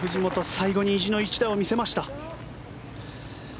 最後に意地の一打を見せました。